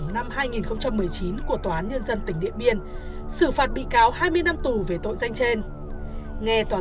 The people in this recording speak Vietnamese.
năm hai nghìn một mươi chín của tòa án nhân dân tỉnh điện biên xử phạt bị cáo hai mươi năm tù về tội danh trên nghe tòa